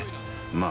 まあ